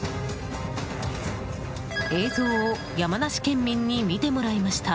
映像を山梨県民に見てもらいました。